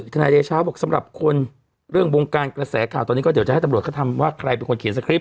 ทนายเดชาบอกสำหรับคนเรื่องวงการกระแสข่าวตอนนี้ก็เดี๋ยวจะให้ตำรวจเขาทำว่าใครเป็นคนเขียนสคริป